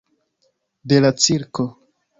De la cirko.